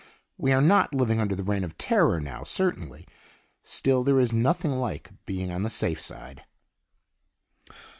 We are not living under the Reign of Terror now, certainly; still there is nothing like being on the safe side.